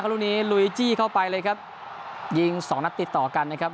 ลูกนี้ลุยจี้เข้าไปเลยครับยิงสองนัดติดต่อกันนะครับ